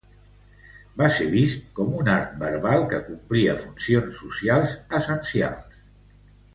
Va ser vist com un art verbal que complia funcions socials essencials.